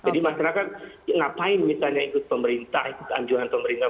jadi masyarakat ngapain misalnya ikut pemerintah ikut anjuran pemerintah